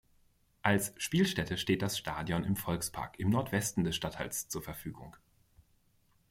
Als Spielstätte steht das Stadion im Volkspark im Nordwesten des Stadtteils zur Verfügung.